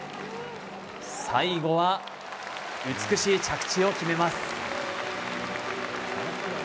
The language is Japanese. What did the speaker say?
最後は美しい着地を決めます。